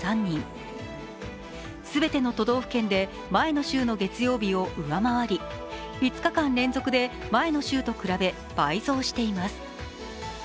全ての都道府県で前の週の月曜日を上回り、５日間連続で前の週と比べ倍増しています。